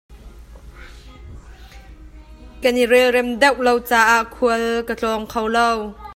Kan i relrem deuh lo caah khual ka tlawng kho lo.